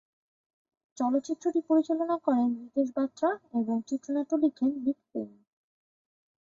চলচ্চিত্রটি পরিচালনা করেন রিতেশ বাত্রা এবং চিত্রনাট্য লিখেন নিক পেইন।